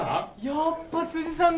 やっぱさんだ。